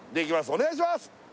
お願いします